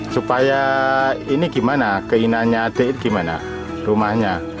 supaya ini gimana keinannya de gimana rumahnya